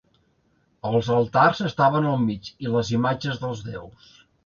Els altars estaven al mig, i les imatges dels déus.